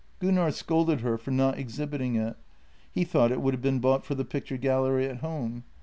Gunnar scolded her for not exhibiting it ; he thought it would have been bought for the picture gallery at home.